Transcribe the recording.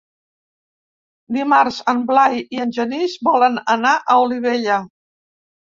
Dimarts en Blai i en Genís volen anar a Olivella.